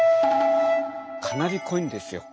かなり濃いんですよ。